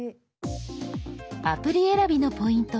アプリ選びのポイント